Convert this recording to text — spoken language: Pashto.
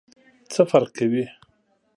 څه فرق کوي ؟